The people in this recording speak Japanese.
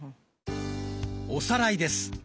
おさらいです。